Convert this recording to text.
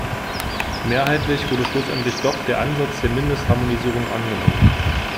Mehrheitlich wurde schlussendlich doch der Ansatz der Mindestharmonisierung angenommen.